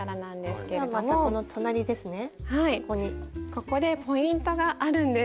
ここでポイントがあるんです。